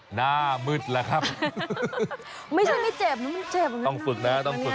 หน้ามืดและครับไม่ใช่ไม่เจ็บเนอะบันเจ็บกันเอาต้องฝึกนะต้องฝึกนะ